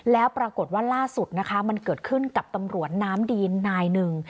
แล้วปรากฏว่าล่าสุดนะคะมันเกิดขึ้นกับตำรวจน้ำดีนนายหนึ่ง